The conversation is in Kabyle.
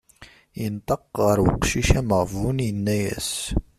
Yenṭeq ar uqcic ameɣbun yenna-as.